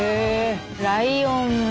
ライオンも。